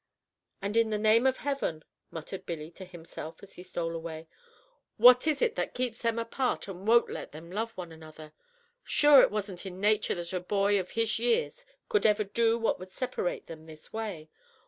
"And in the name of Heaven," muttered Billy to himself as he stole away, "what is it that keeps them apart and won't let them love one another? Sure it wasn't in nature that a boy of his years could ever do what would separate them this way.